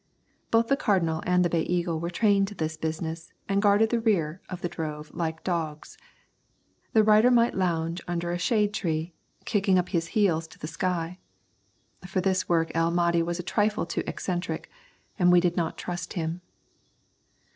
Both the Cardinal and the Bay Eagle were trained to this business and guarded the rear of the drove like dogs. The rider might lounge under a shade tree, kicking up his heels to the sky. For this work El Mahdi was a trifle too eccentric, and we did not trust him.